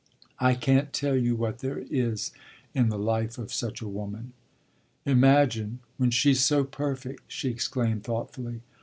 "I can't tell you what there is in the life of such a woman." "Imagine when she's so perfect!" she exclaimed thoughtfully.